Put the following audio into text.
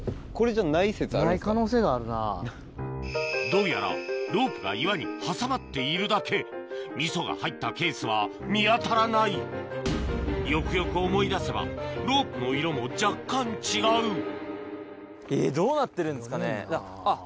どうやらロープが岩に挟まっているだけ味噌が入ったケースは見当たらないよくよく思い出せばロープの色も若干違うえっどうなってるんですかね？